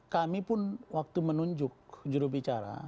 kami pun waktu menunjuk jurubicara